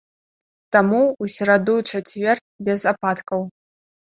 Таму ў сераду-чацвер без ападкаў.